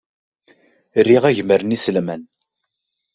Riɣ agmar n yiselman.